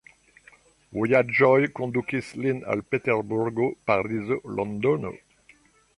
Vojaĝoj kondukis lin al Peterburgo, Parizo, Londono.